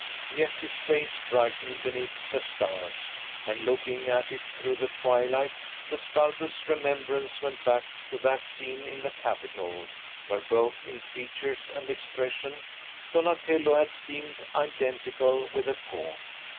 Yet his face brightened beneath the stars; and, looking at it through the twilight, the sculptor's remembrance went back to that scene in the Capitol, where, both in features and expression, Donatello had seemed identical with the Faun.